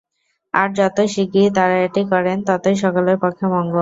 আর যত শীগগীর তাঁরা এটি করেন, ততই সকলের পক্ষে মঙ্গল।